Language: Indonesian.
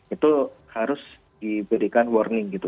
itu harus diberikan warning gitu